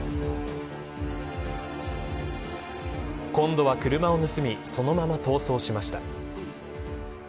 今度は車を盗みそのまま逃走しました。